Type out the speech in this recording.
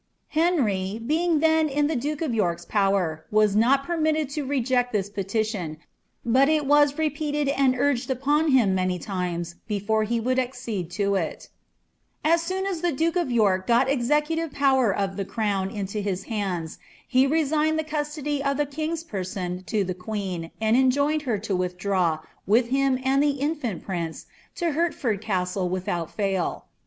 ^ Henry, being tlien in the duke of York^s power, was not per mitted to reject this petition, but it was repeated and urged upon him many times, before he would accede to it* As soon as the duke of York got the executive power of the crown into his bands, he resigned the custody of the kmg's person to the qneen, and enjoined her to withdraw, with him and the infant prince,* to Hertford Castle without fail.'